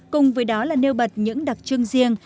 cùng với đó là nêu bật những đặc trưng riêng